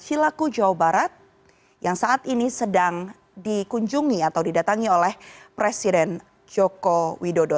cilaku jawa barat yang saat ini sedang dikunjungi atau didatangi oleh presiden joko widodo